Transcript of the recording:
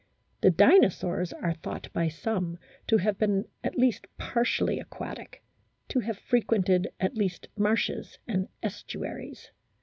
The Dinosaurs are thought by some to have been at least partially aquatic, to have frequented at least marshes and estuaries.